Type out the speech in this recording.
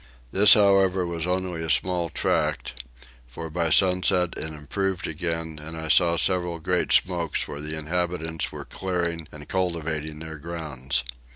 This however was only a small tract, for by sunset it improved again and I saw several great smokes where the inhabitants were clearing and cultivating their grounds.